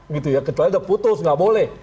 gitu ya kecuali udah putus nggak boleh